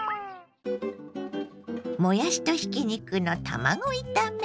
もやしとひき肉の卵炒め。